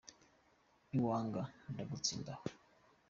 Niwanga ndagutsinda aho.”